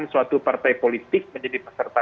pemilu yang terkasih adalah penggunaan kekuatan